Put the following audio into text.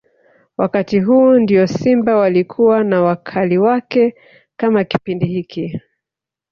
Wakati huu ndio Simba walikuwa na wakali wake kama Kipindi hiki